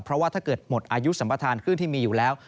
เพราะว่าถ้าเกิดหมดอายุสัมประธานขึ้นที่มีอยู่แล้ว